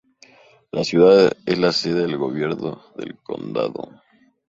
La ciudad es la sede del gobierno del condado.